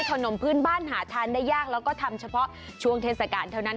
ขนมพื้นบ้านหาทานได้ยากแล้วก็ทำเฉพาะช่วงเทศกาลเท่านั้น